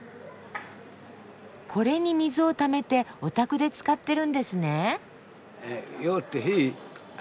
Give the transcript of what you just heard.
これに水をためてお宅で使ってるんですね？